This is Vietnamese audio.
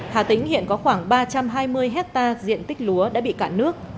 hà tĩnh hiện có khoảng ba trăm hai mươi hectare diện tích lúa đã bị cạn nước